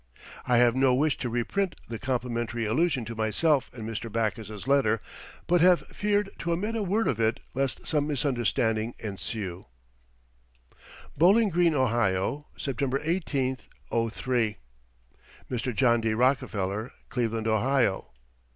I have no wish to reprint the complimentary allusion to myself in Mr. Backus's letter, but have feared to omit a word of it lest some misunderstanding ensue: BOWLING GREEN, OHIO, September 18, '03. MR. JOHN D. ROCKEFELLER, Cleveland, Ohio.